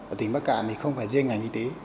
ở tỉnh bắc cạn không riêng ngành y tế